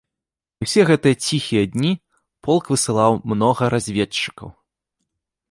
І ўсе гэтыя ціхія дні полк высылаў многа разведчыкаў.